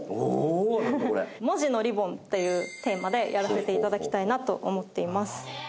文字のリボンというテーマでやらせていただきたいなと思っています。